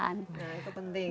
nah itu penting